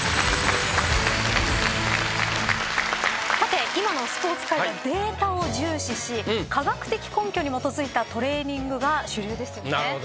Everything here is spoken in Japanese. さて今のスポーツ界はデータを重視し科学的根拠に基づいたトレーニングが主流ですよね。